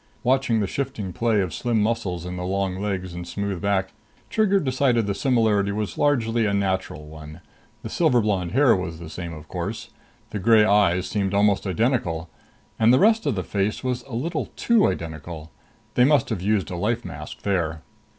Watching the shifting play of slim muscles in the long legs and smooth back, Trigger decided the similarity was largely a natural one. The silver blonde hair was the same, of course. The gray eyes seemed almost identical and the rest of the face was a little too identical! They must have used a life mask there.